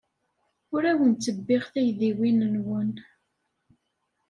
Ur awen-ttebbiɣ taydiwin-nwen.